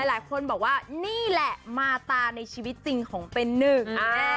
หลายคนบอกว่านี่แหละมาตาในชีวิตจริงของเป็นหนึ่ง